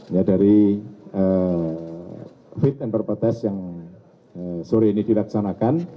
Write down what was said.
ya dari fit and proper test yang sore ini dilaksanakan